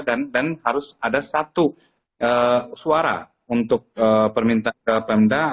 dan harus ada satu suara untuk permintaan ke pemda atau pemuda